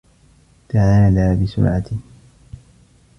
تعال بسرعة.